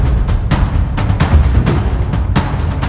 ตอนที่สุดมันกลายเป็นสิ่งที่ไม่มีความคิดว่า